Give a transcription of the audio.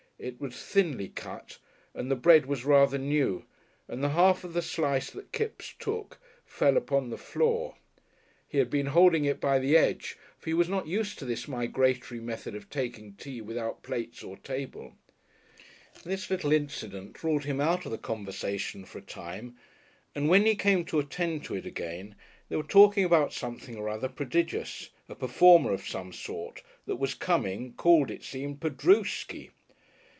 It was thinly cut, and the bread was rather new, and the half of the slice that Kipps took fell upon the floor. He had been holding it by the edge, for he was not used to this migratory method of taking tea without plates or table. This little incident ruled him out of the conversation for a time, and when he came to attend to it again they were talking about something or other prodigious a performer of some sort that was coming, called, it seemed, "Padrooski."